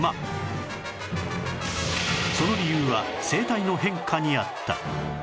その理由は生態の変化にあった